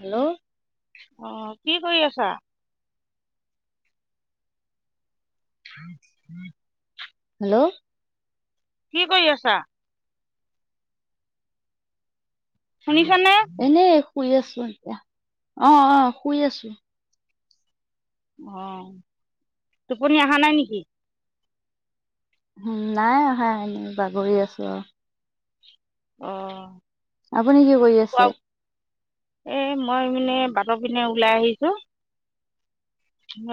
Hello অ কি কৰি আ ছ । [inaudible] হেল্ল' কি কৰি আছা । শুনিছনে । এনেই শুই আছো এতিয়া অ- অ শুই আছো অ টোপনি অহা নাই নেকি? ওম নাই অহা এনে বাগৰি আছো আৰু অ আপুনি কি কৰি আছে। এ মই মানে বাটৰ পিনে ওলাই আহিছো ।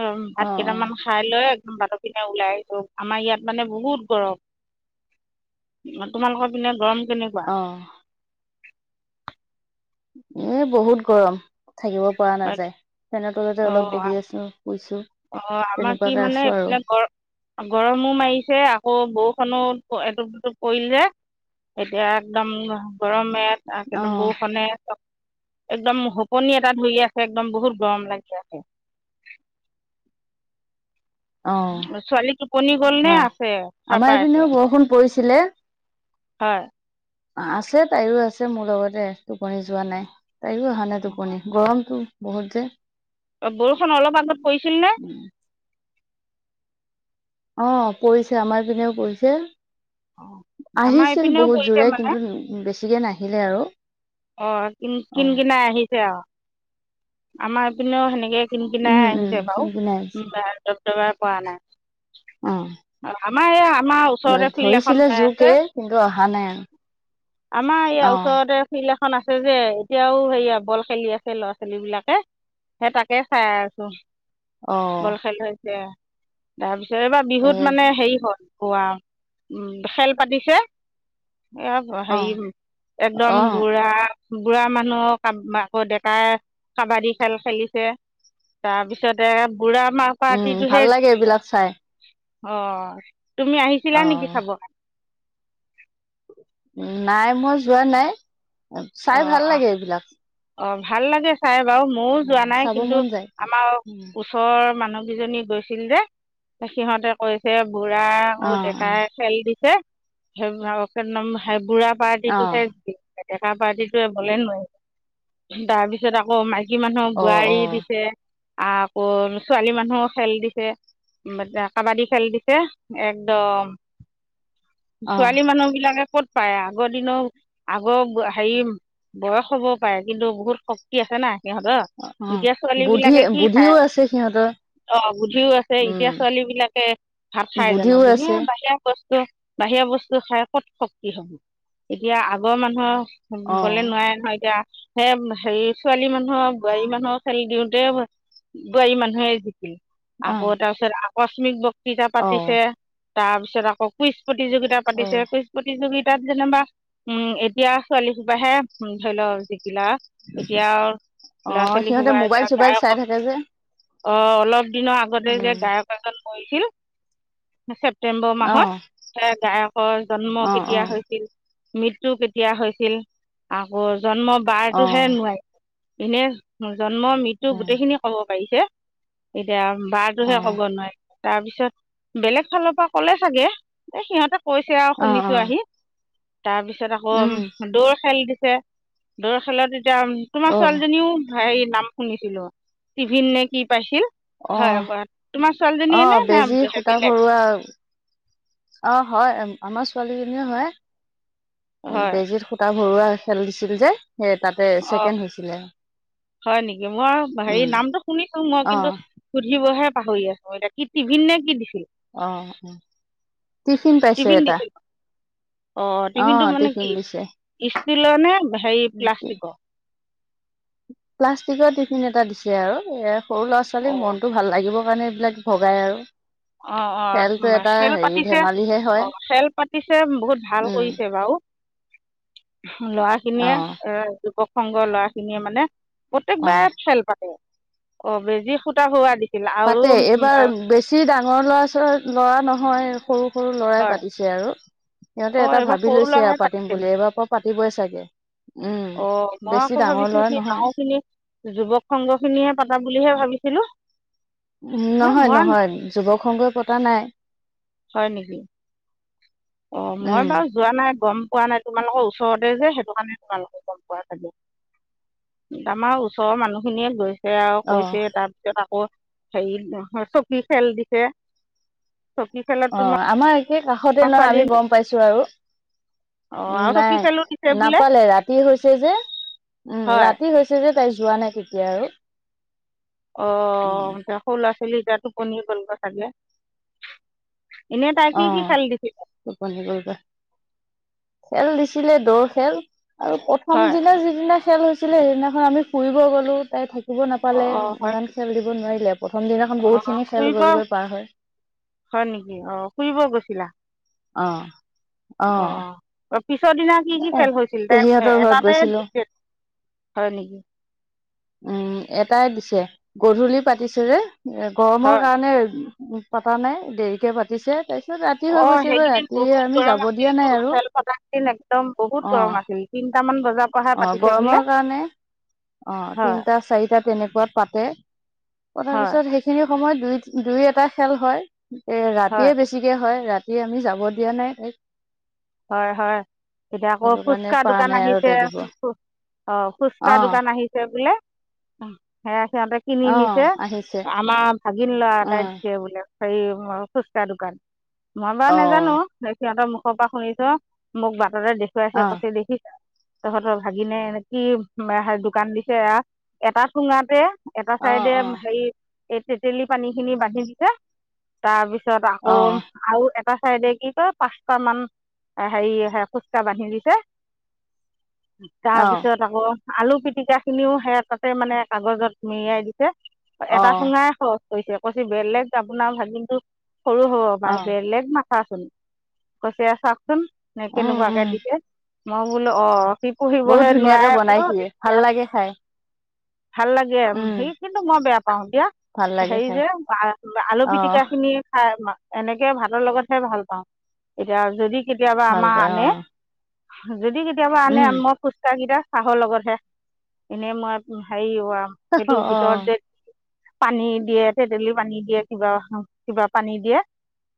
অ ভাত কেটামান খাই লৈ । বাতৰ পিনে ওলাই আহিছো আমাৰ ইয়াত মানে বহুত গৰম তোমালোকৰ পিনে গৰম । আহ এ বহুত গৰম থাকিব পৰা হয় নাযায় ফ্ৰেনৰ তলতে অ অলপ বহি আছোঁ শুইছোঁ অ আমাৰ কি মানে এইফিনে গৰ গৰমো মাৰিছে আকৌ বহুত । খনো এটোপ দুটুপ পৰিল যে এতিয়া একদম গৰমে ত অ একদম বৰষুণে একদম হুপনি এটা ধৰি আছে একদম বহুত গৰম লাগি আছে । অ ছোৱালী টোপনি গল নে হয় আছে চাৰ আমাৰ পাই আছে এইপিনেও বৰষুণ পৰিছিলে হয় । আছে তাইও আছে মোৰ লগতে টোপনি যোৱা নাই । তাইও অহা নাই টোপনি গৰম তো । বহুত যে । বৰষুণ অলপ আগত পৰিছিল নে? অ পৰিছে আমাৰ পিনেও পৰিছে । আমাৰ আহিছিল এইপিনেও বহুত পৰিছে জোৰে কিন্তু বেছি । এতিয়া নাহিলে আৰু অ কিন- অ কিন কিনাই আহিছে আৰু আমাৰ এপিনে সে তেনেকে কিনি উম কিনাই উম আহিছে বাৰু কিনকিনাই আহিছিল একেবাৰে পৰা নাই । অ মাই ইয়াত । ধৰিছিলে জোৰকে কিন্তু অহা নাই আৰু। অ'! ফিল্ডএখন আছে যে। এতিয়াও সেয়া বল খেলি আছে ল'ৰা ছোৱালী বিলাকে। সেই তাকে চাই আছোঁ। অ অ বল খেল হৈছে? তাৰপিছ এইবাৰ বিহুত এ মানে হেৰি হ কোৱা! উম, খেল পাতিছে। এইয়া, অ হেৰি, একদম অ বুঢ়া। বুঢ়া মানুহ আকৌ দেতাই কাবাডী খেল খেলিছে। তাৰপিছতে, বুঢ়া মাহ উম পাৰ্টিটোহে ভাল লাগে জিকিলে। এইবিলাক চাই অ'! তুমি আহিছিলা অ নেকি চাব? [unintelligible] উম, নাই মই যোৱা নাই। চাই ভাল লাগে এইবিলাক। অ'! ভাল লাগে চাই! বাৰু মইও অ যোৱা নাই। চাব কিন্তু, মন যায় আমাৰ উম, ওচৰৰ মানুহ দুজনী গৈছিল যে, সিহঁতে কৈছে! বুঢ়া অ আও ডেকাই খেল দিছে। সেইবোৰ আও এক নম্বৰ বুঢ়া অ পাৰ্টিটোহে জিকি এতিয়া? ডেকা পাৰ্টিটোৱে বলেই নোৱাৰিলে। তাৰপিছত, আকৌ মাইকী মাইকী মানুহক অ অ বোৱাৰী দিছে। আকৌ, ছোৱালী মানুহ খেল দিছে। কাবাডী খেল দিছে। একদম অ অ ছোৱালী মানুহ বিলাকে ক'ত পায়। আগৰ দিন আগৰ হেৰি বয়স হ'ব পাৰে। কিন্তু, বহুত শক্তি আছে না। সিহঁত। অ এতিয়া ছোৱালী বুদ্ধি বিলাকে কি খাই, বুদ্ধিও আছে সিহঁতৰ অ'! বুদ্ধিও আছে। উম এতিয়া ছোৱালী বিলাকে ভাত খাই জানোঁ? বুদ্ধিও ধুনীয়া আছে বাহিৰা ব বাহিৰা বস্তু খাই ক'ত শক্তি হ'ব। এতিয়া আগৰ মানুহৰ অ বলে নোৱাৰে নহয় এতিয়া। সে, হেৰি ছোৱালী মানুহৰ বোৱাৰী মানুহক খেল দিওঁতে, বোৱাৰী মানুহে জি অ আকৌ, তাৰপিছত আ কস্মিক ব পূজা অ পাতিছে। তাৰ পিছত আকৌ কুইছ। প্ৰতিযোগিতা অ পাতিছে একৈছ প্ৰতিযোগিতা। তাত যেনবা, উম এতিয়া। ছোৱালী সোবাহে ধৰি লওক। [unintelligible] এতিয়া অ ল'ৰা ছোৱালী সিহঁতে সোপা মোবাইল এতিয়া চোবাইল চাই গায়ক থাকে যে। অ অলপ। দিনৰ আগতে যে উম গায়ক এজন। কৈছিল। ছেপ্টেম্বৰ অ মাহত গায়কৰ জন্ম অ অ কেতিয়া হৈছিল। মৃত্যু কেতিয়া। ছিল আগৰ। জন্ম অ বাৰটোহে নোৱাৰি। এনে। জন্ম অ মৃত্যু গোটেইখিনি হ'ব। পাৰিছে। এতিয়া অ বাৰোহে ক'ব নোৱাৰি। তাৰপিছত বেলেগ ফালৰ পৰা কলে চাগে এ সিহঁতক। কৈছে আৰু অ অ শুনিছো আহি। তাৰ পিছত উম আকৌ। দৌ খেল দিছে দৌৰ খেলত। [unintelligible] এতিয়া তোমাৰ অ ছোৱালীজনীও। হ নাম শুনিছিলো, টিভিন নে কি পাইছিল। অ, হয় তোমাৰ ছোৱালীজনীয়ে নে আহ বেজি নে সূতা বেলেগ ভৰুৱা। অ হয় আমাৰ ছোৱালীজনজনীয়েও হয়। হয় বেজিত সূতা। ঘৰুৱা খেল দিছিল যে। সেই তাতে অ, ছেকেণ্ড হৈছিলে হয় নেকি মই হেৰি উম নামটো শুনিছো মই অ কিন্তু সুধিবহে। পাহৰি আছো এতিয়া কি টিভিন নে কি দি। অঁ টিফিন পাইছে এটা অ টিভিনটো মানে টিফিন কি দিছে ষ্টিলৰ নে হেৰি প্লাষ্টিকৰ প্লাষ্টিকৰ টিফিন এটা দিছে আৰু এয়া সৰু ল'ৰা অ ছোৱালীৰ মনটো ভাল লাগিব সেইটোকাৰনে এইবিলাক ভগাই আৰু অ অ খেলটো এটা খেল হেৰি পাতিছে ধেমালিহে হয় অ খেল পাতিছে বহুত ভাল উম, কৰিছে বাৰু ল'ৰা খিনিয়ে অ', এ যুৱক সংগ ল'ৰা খিনিয়ে মানে অ'। প্ৰত্যেকবাৰে খেল পাতে। অ বেজি- সূতা ভৰোৱা দি পাতে এইবাৰ বেছি ডাঙৰ ল'ৰা ছো ৱালী ল'ৰা নহয় সৰু সৰু ল'ৰাই হয় পাতিছে আৰু সিহতে অ এটা এইবাৰ ভাবি সৰু লৈছে ল'ৰাই আৰু পাতিম পাতিছিল বুলি এবাৰ পৰা পাতি দিবই চাগে উম, অ মই বেছি আকৌ ডাঙৰ ভাবিছিলো ল'ৰা কি নহয়, গাঁও খিনি যুৱক সংঘ খিনিহে পতা বুলিহে ভাবিছিলো উ হে নহয় মই নহয় যুৱক সংগই পতা নাই হয় নেকি অ মই উম। বাৰু যোৱা নাই গম পোৱা নাই তোমালোকৰ ওচৰতে যে সেইটো কাৰণে তোমালোকৰ গম পোৱা চাগে আমাৰ ওচৰৰ মানুহখিনিয়ে গৈ ছে আৱ অ', কৰিছে তাৰপিছত আকৌ হেৰি চকী খেল দিছে চকী খেলত তোমাৰ সেই কাষতে নহয় আমি ছোৱালীয়ে গম পাইছো আৰু অঁ উ আৰু চকী নাই খেলো দিছে বোলে নাপালে ৰাতি হৈছে যে উম হয় ৰাতি হৈছে যে তাই যোৱা নাই তেতিয়া আৰু অ উম, দে সৰু ল'ৰা ছোৱালী টোপনিৰ গল ক চাগে এনেই তাই কি কি অ', খেল দেখিছে? টোপনি গ'লগৈ। খেল দিছিলে দৌৰ খেল আৰু প্ৰথম হয় দিনা যিদিনা খেল হৈছিলে সেইদিনাখন আমি ফুৰিব গলো তাই থাকি শুব অঁ নাপালে অঁ হয় ইমান খেল দিব নোৱাৰিলে প্ৰথম দিনাখন অঁ বহুতখিনি খেল ফুৰিব গল গৈ পাৰ হৈ ছিলা আহ আহ অঁ পিছৰ দিনা কি কি খেল হৈছিল ঘৰত এটাতে গৈছিলো হয় নেকি? উম এটাই দিছে গধূলি পাতিছে যে এ গৰমৰ হয় কাৰণে। উম পতা নাই দেৰিকে পাতিছে তাই। পিছত ৰাতি হৈ অ' গৈছেগৈ সেইকেইদিন ৰাতি বহুত আমি গৰম যাব দিয়া আছিলতো নাই আৰু। খেল পতা কেইদিন একদম বহুত গৰম আছিল কিন্তু। আঠটা মান, অঁ, গৰমৰ কাৰণে অ হয় তিনটা চাৰিটা তেনেকুৱাত পাতে তাৰ হয় পিছত সেইখিনিও। সময়ত দুই দুই এটা খেল হয়। এ, হয় ৰাতিয়ে বেছিকে হয় ৰাতি। ৰাতি আমি যাব দিয়া নাই এই। হয় হয় এতিয়া আকৌ কাৰণে ফুচকা পৰা দোকান নাই আহি। আৰু তাই দিব অঁ, ফুচকা অ দোকান আহিছে বোলে। সেয়াই, সিহঁতে কিনি অ নিছে আহিছে আমাৰ ভাগিন লৰা উ এটাই দিছে বোলে। হেৰি, ফুচকা দোকান। মই বাৰু অ নেজানো সিহঁতৰ মুখত। মুখৰ পৰা শুনি, চো মোক বা। দাদা দেখুৱাইছে অ কইছে দেখিছ? তহঁতৰ ভাগিনে এনে কি দোকান দিছে এটা চুঙাতে। এটা অ অ চাইডে হেৰি। এই তেতেলী পানী খিনি বান্ধি দিছে তাৰপিছত, আকৌ অ আৰু, এটা চাইডে কি কয় পাঁচটা মান। হেৰি ফুচকা বান্ধি দিছে, অ তাৰপিছত আকৌ, আলু পিটিকা খিনিও সে তাতে মানে কাগজত মেৰিয়াই দিছে। অ এটা চুঙাই খ। কৈছে কৈছে বেলেগ আপোনাৰ ভাগিনটো। সৰু হব অ পাৰে বেলেগ মা। চা চুন কছে চাক। চোন নে উম উম কেনেকুৱাকে দিছে। মই বোলো অ। বহুত ধুনীয়াকে বনাই সিয়ে ভাল লাগে খাই। ভাল লাগে উম সেই কিন্তু মই বেয়া পা পাওঁ দিয়া ভাল লাগে হেৰি খাই যে আলু অ পিটিকা খিনি খাই এনেকে ভাতৰ লগতহে ভাল পাওঁ এতিয়া যদি কেতিয়াবা ভাল আমাৰ পায় অ আনে হয় [inaudible] যদি কেতিয়াবা আনে উম মই ফুচকা কিটা চাহৰ লগতহে এনেই মই হেৰি সেইটো অ ভিতৰত দে পানী দিয়ে তেতেলি পানী দিয়ে কিবা কিবা পানী দিয়ে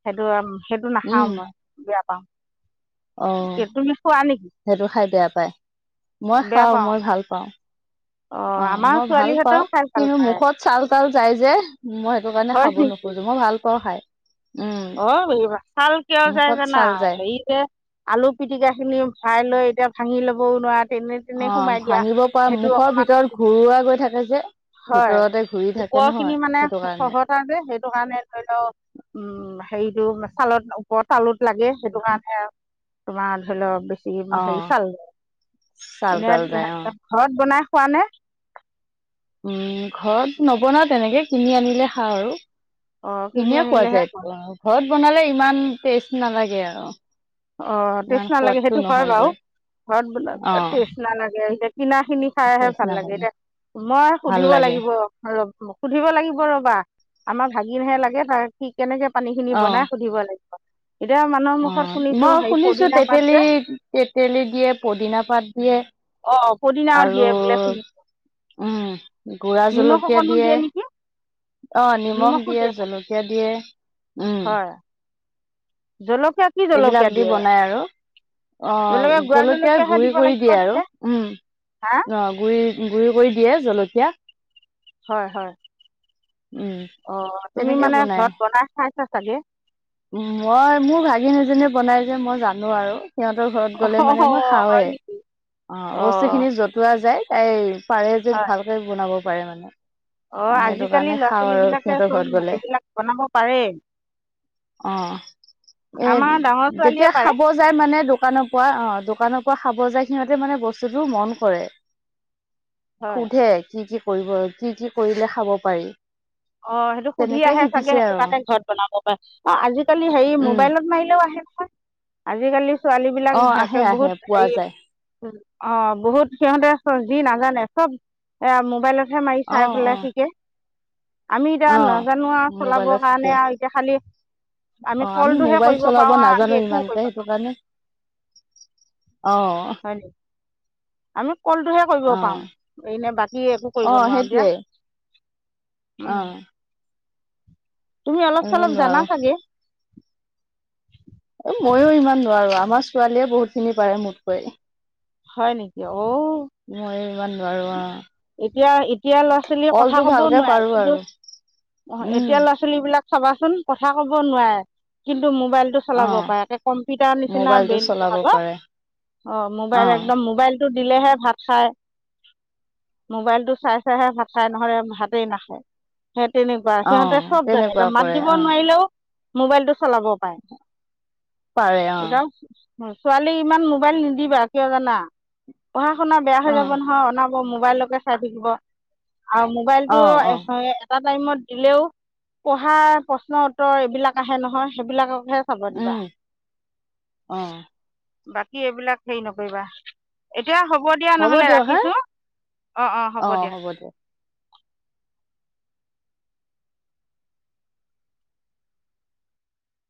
সেইটো সেইটো নাখাও উম মই বেয়া পাওঁ অ তুমি খোৱা নেকি সেইটো খাই বেয়া পায় মই বেয়া খাও পাওঁ মই ভাল পাওঁ অ অঁ আমাৰ মই ভাল ছোৱালীহঁতেও পাওঁ খাই ভাল কিন্তু পায় মুখত চাল তাল যাই যে মই সেইটো কাৰণে হয় খাব নেকি নোখোজো মই ভাল পাওঁ খাই উম অ বগী বা চাল কিয় যায় মুখত জানা ছাল যায় হেৰী যে আলু পিটিকা খিনি ভৰাই লৈ এতিয়া ভাঙি লবও নোৱাৰে অ ভাঙিব পৰা মুখৰ ভিতৰত ঘূৰোৱা গৈ থাকে এ যে [inaudible] হয় ভিতৰতে ঘূৰি থাকে ওপৰ খিনি নহয় মানে সেইটো কাৰণে খহটাযে সেইটো কাৰণে ধৰি লও উম হেৰিতটো চালত ওপৰত তালোত লাগে সেইটো কাৰণে আৰু তোমাৰ ধৰি লওক অ হেৰি চাল ছাল বনায় তাল এনে যায় অ ঘৰত বনাই খোৱা নে উম ঘৰত নবনাও তেনেকে কিনি আনিলে খাওঁ আৰু অ কিনি ধুনীয়া খোৱা আনিলেহে যায় ঘৰত বনালে ইমান টেষ্ট নালাগে আৰু অ ইমান টেষ্ট নালাগে সোৱাদটো সেইটো হয় বাৰু নহয়গৈ ঘৰত বনুৱা অ বিলাক টেষ্ট নালাগে কিনা খিনি খাইহে টেষ্ট ভাল লাগে নালাগে এতিয়া মই ভাল সুধিব লাগে লাগিব ৰ সুধিব লাগিব ৰবা আমাৰ ভাগিনহে লাগে তাৰ কি কেনেকে পানী খিনি অ বনাই সুধিব লাগে এতিয়া মানুহৰ অ মুখত মই হেৰি শুনিছো পদিনা পাত তেতেলী যে তেতেলী দিয়ে পদিনা পাত দিয়ে অঁ পদিনাও আৰু দিয়ে বোলে শুনিছোঁ উম গুৰা নিমখ জলকীয়া অকণো দিয়ে নেকি অ নিমখ নিমখো দিয়ে চাগে জলকীয়া দিয়ে উম জলক এইবিলাক দি বনাই আৰু অ জলকীয়া গুড়া জলকীয়া জলকীয়াহে গুৰি দিব কৰি লাগিব দিয়ে আৰু দিলে হা উম অ গুৰি গুৰি কৰি দিয়ে জলকীয়া হয় হয় উম অঁ তুমি তেনেকে মানে বনাই, ঘৰত খাইছা চাগে মই মোৰ ভাগিনি‌ এজনীয়ে বনাই যে মই জানো আৰু সিহঁতৰ ঘৰত অঁ গ'লে মানে মই হয় খাওঁৱেই নেকি অঁ বস্তুখিনি জতোৱা যায় এই পাৰে যে ভালকে বনাব। উপাই মানে অঁ সেইটো আজিকালি কাৰণে ল'ৰা খাওঁ আৰু ছোৱালীবিলাকে সিহঁতৰ ঘৰত চব গলে এইবিলাক বনাব পাৰে অঁ এ আমাৰ ডাঙৰ ছোৱালীয়ে যেতিয়া পাৰে খাব যায় মানে দোকানৰ পৰা অঁ দোকানৰ পৰা খাব যায় সিহঁতে মানে বস্তুটো মন কৰে হয় সুধে কি কি কৰিব কি কি কৰিলে খাব পাৰি। অঁ সেইটো সুধি তেনেকে আহে চাগে শিকিছে সেইটো আৰু কাৰণে ঘৰত বনাব পাৰে অ আজিকালি হেৰি উম মোবাইলত মাৰিলেও আহে। নহয় আজিকালি। ছোৱালী বিলাক অ আহে একে আহে বহুত পোৱা হেই। যায় অঁ বহুত সিহঁতে যি নাজানে চব এ মোবাইলত হে মাৰি অ চাই অ পেলাই শিকে আমি এতিয়া অ নাজানো আৰু চলাবৰ মোবাইলত কাৰণে শিকে আৰু এতিয়া খালি আমি অ কলটোহে মোবাইল কৰিব চলাব পাৰো আৰু নাজানো আমি একোও ইমানকে কৰিব সেইটো পাৰো। অঁ আমি কলটোহে কৰিব পাৰো এনে বাকী একো কৰিব নোৱাৰো দিয়া উম অহঁ তুমি অলপ চলপ জানা নোৱাৰো চাগে চে এ ময়ো ইমান নোৱাৰো আমাৰ ছোৱালীয়ে বহুত খিনি পাৰে মোতকৈ হয় নেকি অঁ অঁ মই ইমান নোৱাৰো অ', এতিয়া এতিয়া ল'ৰা ছোৱালীয়ে কথা কলটো কবও ভালকে নোৱাৰে পাৰো কিন্তু আৰু উম, এতিয়া ল'ৰা ছোৱালী বিলাক চবাচোন কথা কব নোৱাৰে কিন্তু মোবাইল টো চলাব অ', পাৰে তে কম্পিউটাৰ নিচিনা মোবাইলটো ব্ৰেন চলাব সিহত পাৰে অ মোবাইল অ', মোবাইলটো দিলেহে ভাত খায় মোবাইলটো চাই চাইহে ভাত খায় নহ'লে ভাতেই নাখায় সেই তেনেকুৱা সিহঁতে অ', চব জানে তেনেকুৱা এ মাত কৰে দিব অ', নোৱাৰিলেও। মোবাইলটো। চলাব পায় পাৰে অ', একাও। [inaudible] ছোৱালী ইমান মোবাইল নিদিবা কিয় জানা। [unintelligible] পঢ়া শুনা বেয়া হৈ যাব অ', নহয় অন। ক মোবাইলকে চাই থাকিব। আৰু মোবাইলটো অ', অ', এহে এটাত। টাইমত দিলেও পঢ়া প্ৰশ্ন উত্তৰ এইবিলাক আহে নহয় সেইবিলাক। হে চাব দিবা। উম, অ', বাকী এইবিলাক হেই নকইবা। দিয়া হ'ব দিয়া নহ'লে দিয়ক হা ৰাখিছোঁ অঁ -অঁ হ'ব অ', দিয়া। দিয়ক।